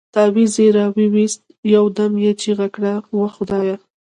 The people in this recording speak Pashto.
تاويز يې راوايست يو دم يې چيغه کړه وه خدايه.